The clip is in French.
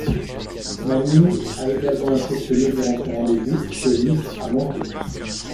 Manning a également impressionné durant son rendez-vous, que Leaf a manqué.